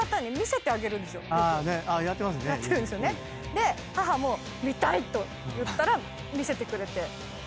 で母も「見たい！」と言ったら見せてくれて。